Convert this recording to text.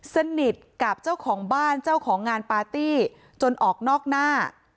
สนิทกับเจ้าของบ้านเจ้าของงานปาร์ตี้จนออกนอกหน้า